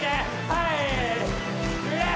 はい！